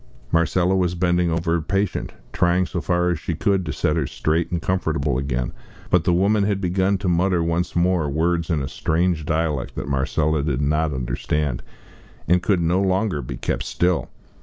Marcella was bending over her patient, trying so far as she could to set her straight and comfortable again. But the woman had begun to mutter once more words in a strange dialect that Marcella did not understand, and could no longer be kept still.